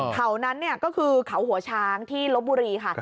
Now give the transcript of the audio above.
แถวนั้นก็คือเขาหัวช้างที่ลบบุรีค่ะ